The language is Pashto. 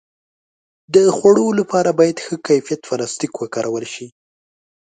د خوړو لپاره باید ښه کیفیت پلاستيک وکارول شي.